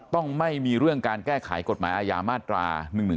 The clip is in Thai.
ต้องไม่มีเรื่องการแก้ไขกฎหมายอาญามาตรา๑๑๒